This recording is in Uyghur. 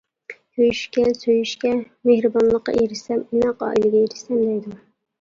كۆيۈشكە، سۆيۈشكە، مېھرىبانلىققا ئېرىشسەم، ئىناق ئائىلىگە ئېرىشسەم دەيدۇ.